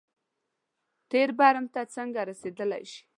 تېر برم ته څنګه رسېدای شي.